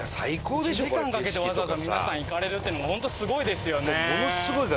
１時間かけてわざわざ皆さん行かれるっていうのも本当すごいですよね。